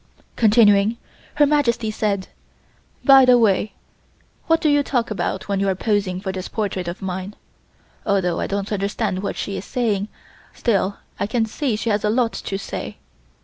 Continuing, Her Majesty said: "By the way, what do you talk about when you are posing for this portrait of mine; although I don't understand what she is saying, still I can see she has a lot to say.